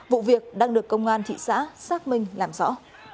vụ việc đang được công an thị xã xác minh làm rõ